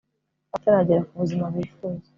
bataragera ku buzima bifuza